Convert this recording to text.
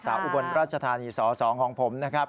อุบลราชธานีส๒ของผมนะครับ